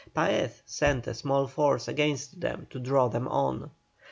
Paez sent a small force against them to draw them on.